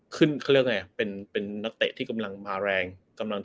เขาเรียกว่าไงเป็นนักเตะที่กำลังมาแรง